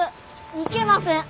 いけません。